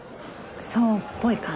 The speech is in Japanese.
そうっぽい感じ。